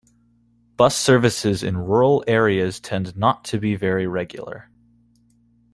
Bus services in rural areas tend not to be very regular.